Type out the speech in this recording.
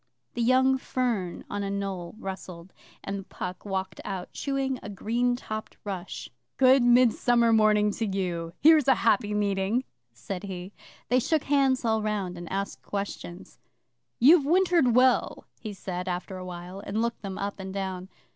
The young fern on a knoll rustled, and Puck walked out, chewing a green topped rush. 'Good Midsummer Morning to you! Here's a happy meeting,' said he. They shook hands all round, and asked questions. 'You've wintered well,' he said after a while, and looked them up and down.